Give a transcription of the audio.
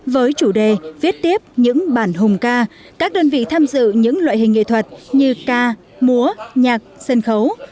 với chủ đề viết tiếp những bản hùng ca các đơn vị tham dự những loại hình nghệ thuật như ca múa nhạc sân khấu